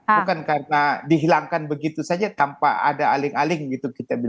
bukan karena dihilangkan begitu saja tanpa ada aling aling gitu